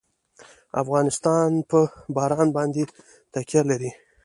افغانستان په باران باندې تکیه لري.